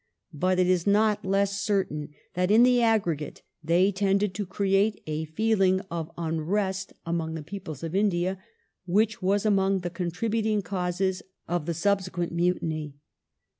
But it is not less certain that in the aggregate they tended to create a feeling of unrest among the peoples of India which was among the contributory causes of the subsequent Mutiny.